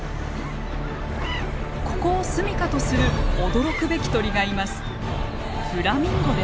ここを住みかとする驚くべき鳥がいます。